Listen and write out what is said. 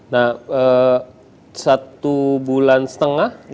nah satu bulan setengah